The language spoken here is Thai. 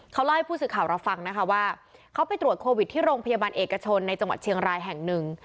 เขาเล่าให้ผู้สื่อข่าวเราฟังนะคะว่าเขาไปตรวจโควิดที่โรงพยาบาลเอกชนในจังหวัดเชียงรายแห่งหนึ่ง